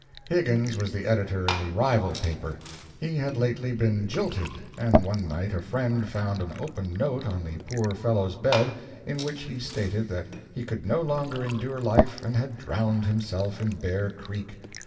Higgins was the editor in the rival paper. He had lately been jilted, and one night a friend found an open note on the poor fellow's bed, in which he stated that he could no longer endure life and had drowned himself in Bear Creek.